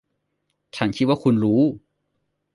ฉันคิดว่าคุณรู้